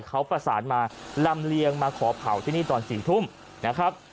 เขาประสานมาลำเลียงมาขอเผาที่นี่ตอน๔ทุ่มนะครับ